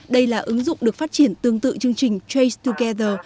đây là ứng dụng được phát triển tương tự chương trình trace together